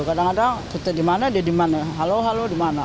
kadang kadang ketika dimana dia dimana halo halo dimana